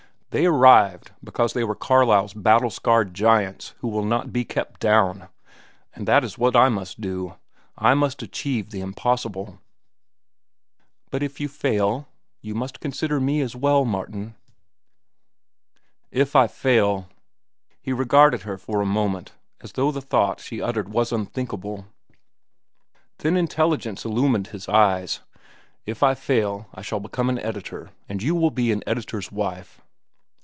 They arrived because they were Carlyle's battle scarred giants who will not be kept down. And that is what I must do; I must achieve the impossible." "But if you fail? You must consider me as well, Martin." "If I fail?" He regarded her for a moment as though the thought she had uttered was unthinkable. Then intelligence illumined his eyes. "If I fail, I shall become an editor, and you will be an editor's wife."